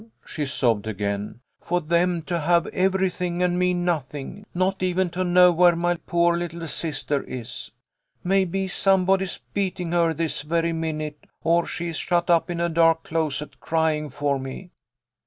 she sobbed again, "for them to have everything and me nothing, not even to know where my poor little sister is. Maybe somebody's beating her this very minute, or she is shut up in a dark closet crying for me."